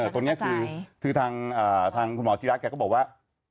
ตรงเนี้ยคือคือทางคุณหมอจิรักษ์แกก็บอกว่า